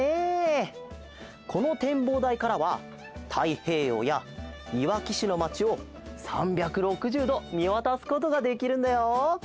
このてんぼうだいからはたいへいようやいわきしのまちを３６０どみわたすことができるんだよ。